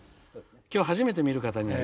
今日初めて見る方。